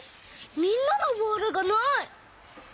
みんなのボールがない。